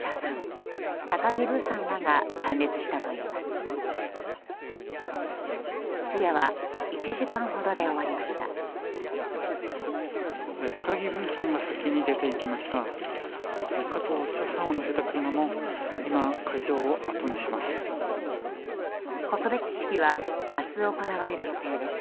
加藤茶さんを乗せた車も今、会場をあとにします。